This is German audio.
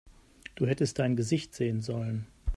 Du hättest dein Gesicht sehen sollen!